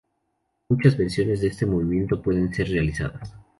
Muchas versiones de este movimiento pueden ser realizadas.